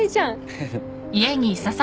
フフッ。